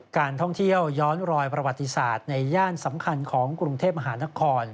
การท่องเที่ยวย้อนรอยประวัติศาสตร์ในย่านสำคัญของกรุงเทพมหานคร